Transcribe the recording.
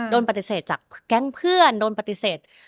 โดนปฏิเสธจากแก๊งเพื่อนโดนปฏิเสธ